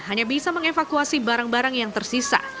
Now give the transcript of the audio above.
hanya bisa mengevakuasi barang barang yang tersisa